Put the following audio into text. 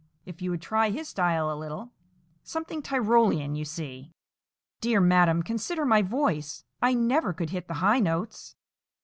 If you would try his style a little,—something Tyrolean, you see." "Dear madam, consider my voice. I never could hit the high notes."